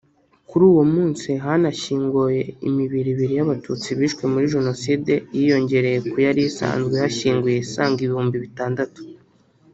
Kuri uwo munsi hanashyinguwe imibiri ibiri y’Abatutsi bishwe muri Jenoside yiyongereye kuyari isanzwe ihashyinguye isaga ibihumbi bitandatu